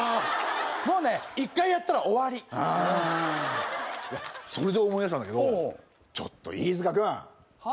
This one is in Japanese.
もうね１回やったら終わりうんうんいやそれで思い出したんだけどちょっと飯塚君はっ？